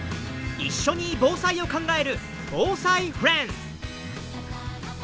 一緒に防災を考える「防災フレンズ」！